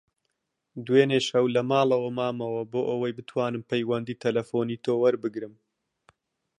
دوێنێ شەو لە ماڵەوە مامەوە بۆ ئەوەی بتوانم پەیوەندیی تەلەفۆنیی تۆ وەربگرم.